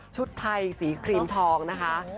ชุดไทยสีครีมทองนะคะ